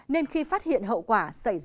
nên khi phát hiện hậu quả